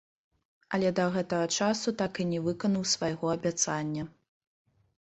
Але да гэтага часу так і не выканаў свайго абяцання.